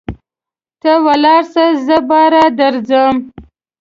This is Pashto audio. ته ولاړسه زه باره درځم.